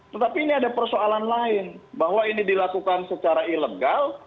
tetapi ini ada persoalan lain bahwa ini dilakukan secara ilegal